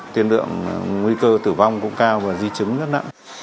tiên lượng nguy cơ tử vong cũng cao và di chứng rất nặng